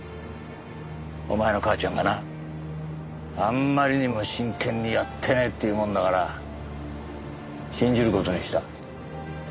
お前の母ちゃんがなあんまりにも真剣にやってねえって言うもんだから信じる事にした。